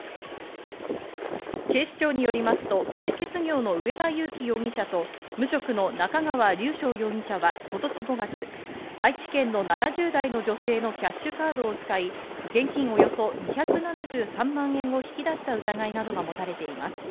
警視庁によりますと、建設業の植田諭亀容疑者と無職の中川龍翔容疑者は今年５月、愛知県の７０代の女性のキャッシュカードを使い、現金およそ２７３万円を引き出した疑いなどが持たれています。